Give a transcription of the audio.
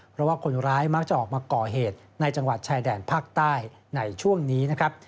เพราะว่าคนร้ายมักจะออกมาก่อเหตุในจังหวัดชายแดนภาคใต้ในช่วงนี้นะครับ